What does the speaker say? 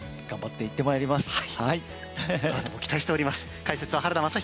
頑張っていってまいります。